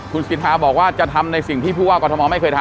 คุณสิทธาบอกว่าจะทำในสิ่งที่ผู้ว่ากรทมไม่เคยทำ